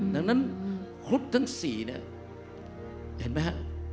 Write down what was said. ดังนั้นครุฑทั้ง๔เนี่ยเห็นไหมฮะ